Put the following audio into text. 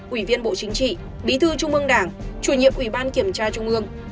ủy viên bộ chính trị bí thư trung ương đảng chủ nhiệm ủy ban kiểm tra trung ương